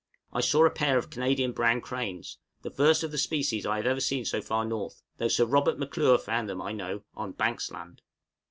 I saw a pair of Canadian brown cranes, the first of the species I have ever seen so far north, though Sir Robert M'Clure found them, I know, on Banks Land.